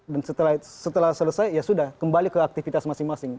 dan setelah selesai ya sudah kembali ke aktivitas masing masing